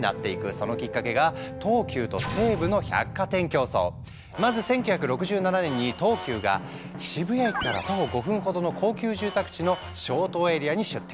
そのきっかけが東急と西武のまず１９６７年に東急が渋谷駅から徒歩５分ほどの高級住宅地の松濤エリアに出店。